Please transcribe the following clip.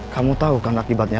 kamu tau kan akibatnya